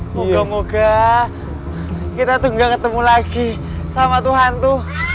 moga moga kita tuh gak ketemu lagi sama tuhan tuh